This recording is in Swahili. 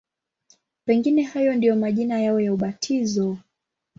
Pengine hayo ndiyo majina yao ya ubatizo.